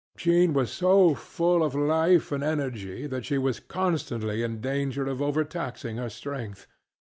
Jean was so full of life and energy that she was constantly in danger of overtaxing her strength.